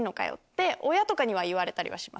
親とかには言われたりはします。